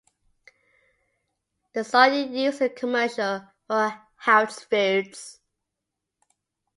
The song was used in a commercial for House Foods.